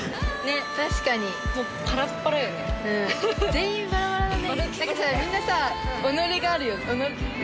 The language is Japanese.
全員バラバラだね。